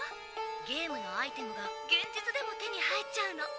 ゲームのアイテムが現実でも手に入っちゃうの。